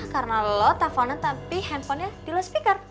karena lo telfonnya tapi handphonenya di lo speaker